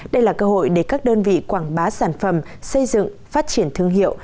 đây là cơ hội để các đơn vị quảng bá sản phẩm xây dựng phát triển thương hiệu